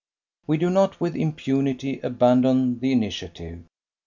We do not with impunity abandon the initiative.